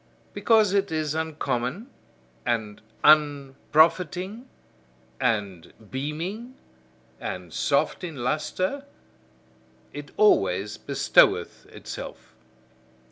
Because it is uncommon, and unprofiting, and beaming, and soft in lustre; it always bestoweth itself.